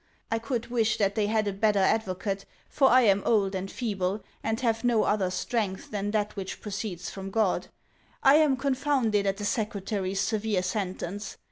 I could wish that they had a better advocate, for I am old and feeble, and have no other strength than that which proceeds from God. I am con founded at the secretary's severe sentence.